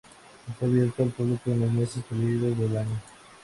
Está abierto al público en los meses cálidos del año.